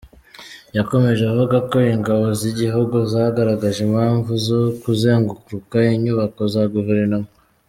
Yakomeje avuga ko ingabo z’igihugu zagaragaje impamvu zo kuzenguruka inyubako za guverinoma.